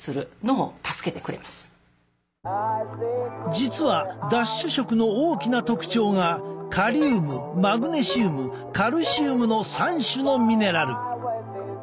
実はダッシュ食の大きな特徴がカリウムマグネシウムカルシウムの３種のミネラル。